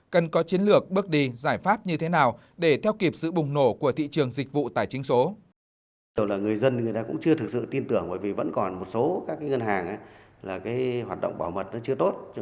cần có chiến lược bước đi giải pháp như thế nào để theo kịp sự bùng nổ của thị trường dịch vụ tài chính số